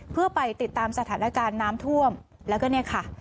เพื่อไปติดตามสถานการณ์น้ำท่วมแล้วก็เนี่ยค่ะ